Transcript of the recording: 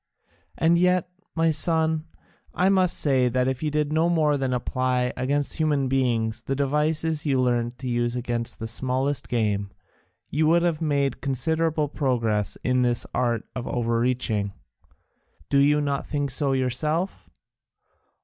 And yet, my son, I must say that if you did no more than apply against human beings the devices you learnt to use against the smallest game, you would have made considerable progress in this art of overreaching. Do you not think so yourself?